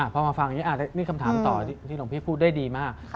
พอมาฟังอันนี้คำถามต่อที่หลวงพี่พูดได้ดีมาก